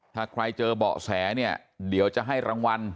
ถ้าใครเจอเบาะแสเนี่ยเดี๋ยวจะให้รางวัล